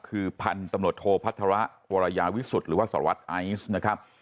คือพันธุ์ตำรวจโทพัฒระวรยาวิสุทธิ์หรือว่าสารวัตรไอซ์นะครับ